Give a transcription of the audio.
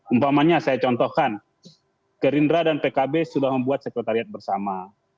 umpamanya saya contohkan gerindra dan pkb sudah membuat sekretariat bersama